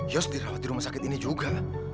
yos dirawat di rumah sakit ini juga